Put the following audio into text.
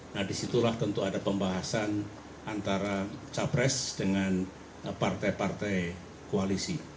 nah disitulah tentu ada pembahasan antara capres dengan partai partai koalisi